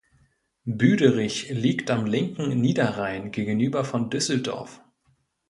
Büderich liegt am linken Niederrhein gegenüber von Düsseldorf.